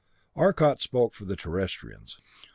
Arcot spoke for the Terrestrians.